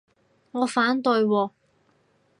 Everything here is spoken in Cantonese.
我反對喎